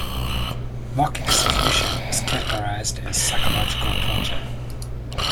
Mock execution is categorized as psychological torture.